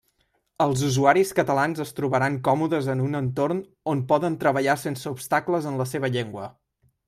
Els usuaris catalans es trobaran còmodes en un entorn on poden treballar sense obstacles en la seva llengua.